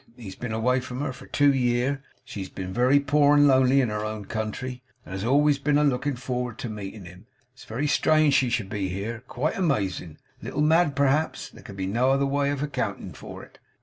He's been away from her for two year; she's been very poor and lonely in her own country; and has always been a looking forward to meeting him. It's very strange she should be here. Quite amazing! A little mad perhaps! There can't be no other way of accounting for it.